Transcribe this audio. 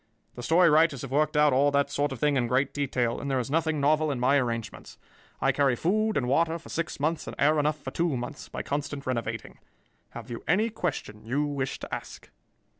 "The story writers have worked out all that sort of thing in great detail, and there is nothing novel in my arrangements. I carry food and water for six months and air enough for two months by constant renovating. Have you any question you wish to ask?"